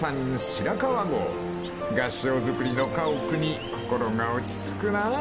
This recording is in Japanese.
［合掌造りの家屋に心が落ち着くなあ］